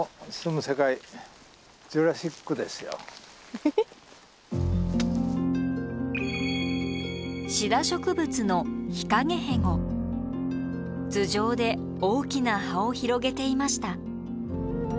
いやシダ植物の頭上で大きな葉を広げていました。